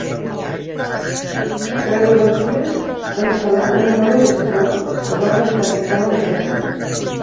Schroeder Ventures va instal·lar una nova gestió que va revitalitzar l'empresa.